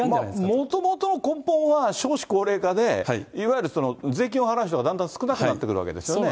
もともと根本は少子高齢化で、いわゆる税金を払う人がだんだん少なくなってくるわけですよね。